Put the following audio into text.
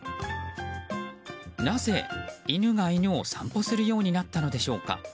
なぜ犬が犬を散歩するようになったのでしょうか。